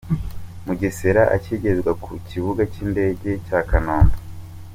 Mugesera akigezwa ku kibuga cy’indege cya Kanombe